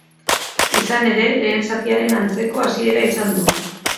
Izan ere, lehen zatiaren antzeko hasiera izan du.